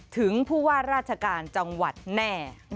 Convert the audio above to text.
ถึงผู้ว่าราชการจังหวัดแน่